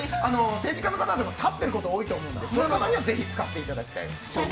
政治家の方も立っていることが多いのでそういう方に使っていただきたいです。